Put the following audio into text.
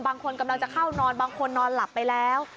กำลังจะเข้านอนบางคนนอนหลับไปแล้ว